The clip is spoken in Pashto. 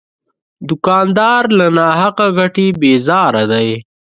دوکاندار له ناحقه ګټې بیزاره دی.